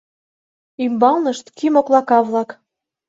Ӱмбалнышт — кӱ моклака-влак.